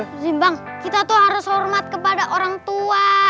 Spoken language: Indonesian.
luzim bang kita tuh harus hormat kepada orang tua